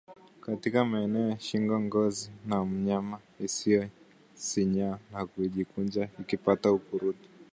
Katika maeneo ya shingo ngozi ya mnyama husinyaa na kujikunja akipata ukurutu